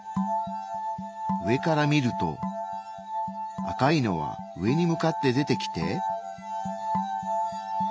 上から見ると赤いのは上に向かって出てきて。